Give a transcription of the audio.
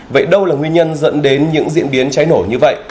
vậy đâu là nguyên nhân dẫn đến những diễn biến cháy nổ như vậy